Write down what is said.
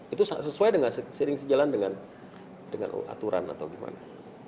itu sesuai dengan sejalan jalan dengan aturan atau gimana